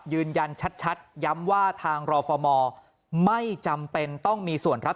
ยืนยันชัดย้ำว่าทางรฟมไม่จำเป็นต้องมีส่วนรับ